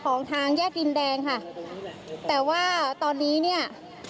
ของทางแยกดินแดงค่ะแต่ว่าตอนนี้เนี่ย